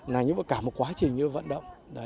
là như vậy cả một quá trình như vận động